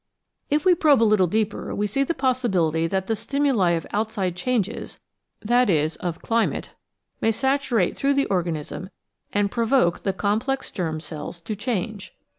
If we probe a little deeper, we see the possibility that the stimuli of outside changes, e.g. of climate, may saturate through the organism and provoke the complex germ cells to change.